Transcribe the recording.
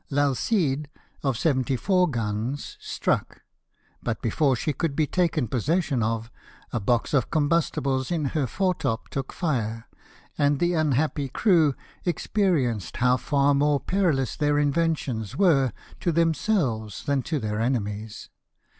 L'Alcide, of 74 guns, struck ; but, before she could be taken possession of, a box of combustibles in her fore top took fire, and the unhappy crew experienced how far more perilous their inventions were to themselves than to their enemies.